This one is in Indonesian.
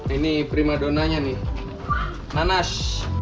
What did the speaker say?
ini primadonanya nih manas